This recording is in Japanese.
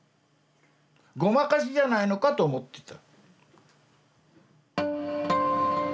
「ごまかしじゃないのか？」と思ってた。